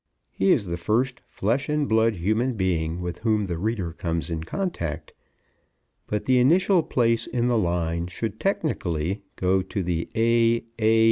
He is the first flesh and blood human being with whom the reader comes in contact, but the initial place in the line should technically go to the A.